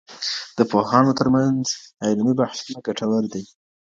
د پوهانو ترمنځ علمي بحثونه ګټور دي.